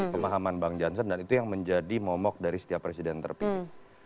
pemahaman bang jansen dan itu yang menjadi momok dari setiap presiden terpilih